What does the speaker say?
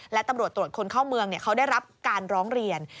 และตำรวจตรวจคนเข้าเมืองเขาได้รับการร้องเรียน